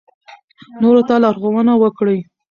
نورو ته لارښوونه وکړئ.